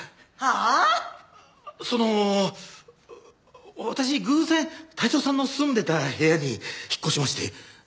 その私偶然泰造さんの住んでた部屋に引っ越しまして。